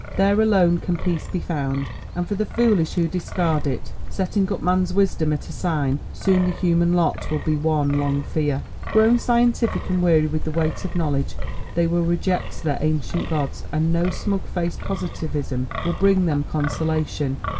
There alone can peace be found, and for the foolish who discard it, setting up man's wisdom as a sign, soon the human lot will be one long fear. Grown scientific and weary with the weight of knowledge, they will reject their ancient Gods, and no smug faced Positivism will bring them consolation.